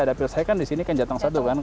dapil saya kan di sini kan jateng satu kan